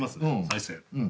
再生。